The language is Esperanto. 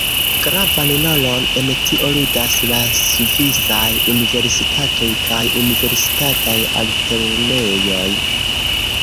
Gravan rolon en tio ludas la svisaj Universitatoj kaj universitataj altlernejoj.